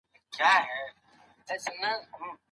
د کمیسیون رییس څنګه ټاکل کیږي؟